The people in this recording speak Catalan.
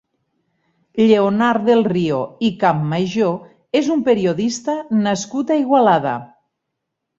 Lleonard del Rio i Campmajó és un periodista nascut a Igualada.